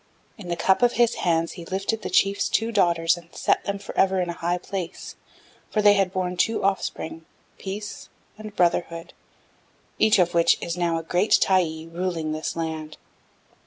In the cup of His hands He lifted the chief's two daughters and set them forever in a high place, for they had borne two offspring Peace and Brotherhood each of which is now a great Tyee ruling this land.